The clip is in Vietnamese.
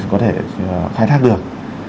có thể khai thác được